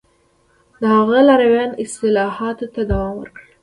د هغه لارویانو اصلاحاتو ته دوام ورکړ